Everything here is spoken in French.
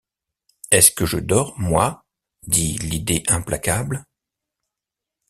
Est-ce que je dors, moi? dit l’Idée implacable.